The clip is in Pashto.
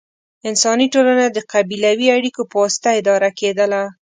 انساني ټولنه د قبیلوي اړیکو په واسطه اداره کېدله.